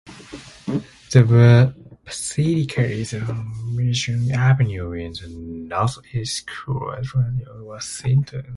The basilica is on Michigan Avenue in the northeast quadrant of Washington.